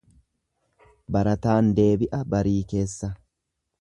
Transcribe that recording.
Barataan deebi'a barii keessa.